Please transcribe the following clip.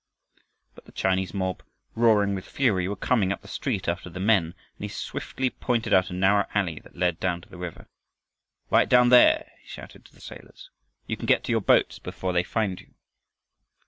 But the Chinese mob, roaring with fury, were coming up the street after the men and he swiftly pointed out a narrow alley that led down to the river. "Run down there!" he shouted to the sailors. "You can get to your boats before they find you."